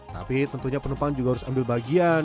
tapi tentunya penumpang juga harus ambil bagian